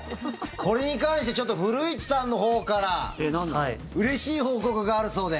これに関して古市さんのほうからうれしい報告があるそうで。